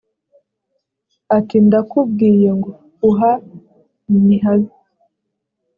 ati ndakubwiye ngo uha nihabi